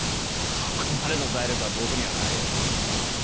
そこまでの財力は僕にはないよ。